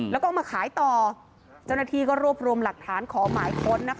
แล้วก็เอามาขายต่อเจ้าหน้าที่ก็รวบรวมหลักฐานขอหมายค้นนะคะ